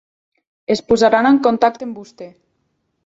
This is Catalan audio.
Es posaran en contacte amb vostè.